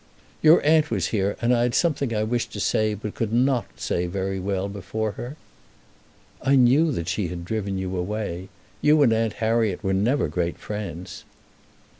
"Your aunt was here, and I had something I wished to say but could not say very well before her." "I knew that she had driven you away. You and Aunt Harriet were never great friends."